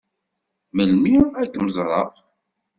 Melmi ad kem-ẓṛeɣ?